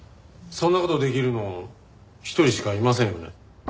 そんな事ができるの一人しかいませんよね。